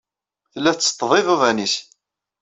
Tella tetteṭṭeḍ iḍuḍan-ines.